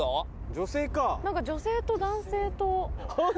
女性と男性と。